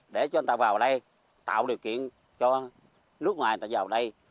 để cho anh ta vào đây tạo điều kiện cho nước ngoài người ta vào đây